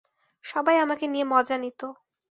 সবাই আমাকে নিয়ে মজা নিত।